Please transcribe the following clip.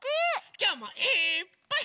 きょうもいっぱい。